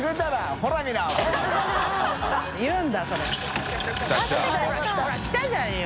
ほら来たじゃんよ！